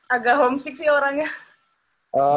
agak homesick sih orangnya